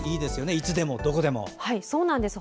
いつでも、どこでも。